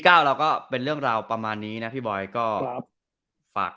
เราก็เป็นเรื่องราวประมาณนี้นะพี่บอยก็ฝาก